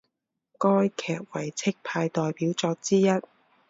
该剧为戚派代表作之一。